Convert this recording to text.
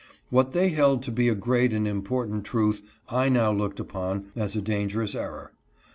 What they held to be a great and important truth I now looked upon as a dangerous error.